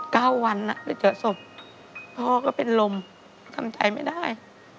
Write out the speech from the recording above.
เก้าวันอ่ะไปเจอศพพ่อก็เป็นลมทำใจไม่ได้